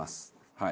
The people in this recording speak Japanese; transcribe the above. はい。